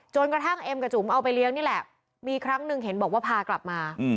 จนกระทั่งเอ็มกับจุ๋มเอาไปเลี้ยงนี่แหละมีครั้งหนึ่งเห็นบอกว่าพากลับมา